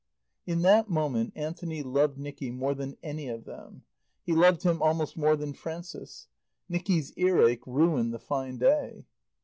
In that moment Anthony loved Nicky more than any of them. He loved him almost more than Frances. Nicky's earache ruined the fine day.